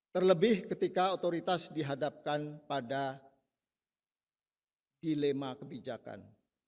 terlebih ketika otoritas dihadapkan pada dilema kebijakan